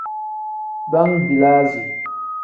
Bangbilasi.